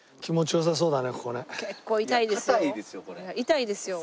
痛いですよ。